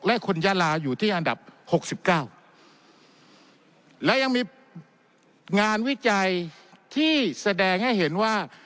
และคนยาลาอยู่ที่อันดับหกสิบเก้าและยังมีงานวิจัยที่แสดงให้เห็นว่า